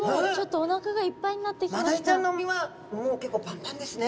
もうちょっとマダイちゃんの胃はもう結構パンパンですね。